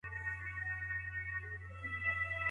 روغتیا او سوله څه اړیکه لري؟